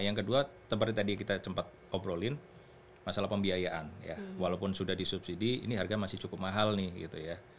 yang kedua seperti tadi kita sempat obrolin masalah pembiayaan ya walaupun sudah disubsidi ini harga masih cukup mahal nih gitu ya